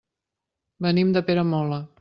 Venim de Peramola.